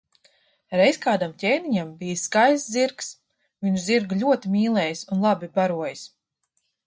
Reiz kādam ķēniņam bijis skaists zirgs, viņš zirgu ļoti mīlējis un labi barojis.